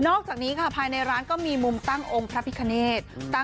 อกจากนี้ค่ะภายในร้านก็มีมุมตั้งองค์พระพิคเนธ